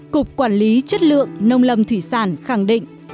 cục quản lý chất lượng nông lâm thủy sản khẳng định